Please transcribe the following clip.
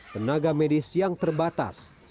tenaga medis yang terbatas